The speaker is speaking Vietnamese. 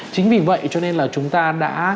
chính vì vậy cho nên là chúng ta đã